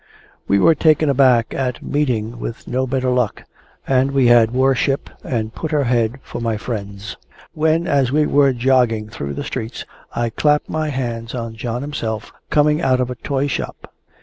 We were taken aback at meeting with no better luck, and we had wore ship and put her head for my friends, when as we were jogging through the streets, I clap my eyes on John himself coming out of a toyshop!